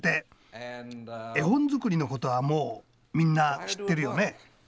絵本作りのことはもうみんな知ってるよね。